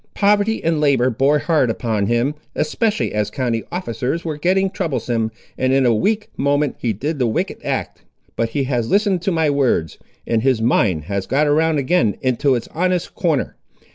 Poverty and labour bore hard upon him, especially as county officers were getting troublesome, and in a weak moment he did the wicked act; but he has listened to my words, and his mind has got round again into its honest corner.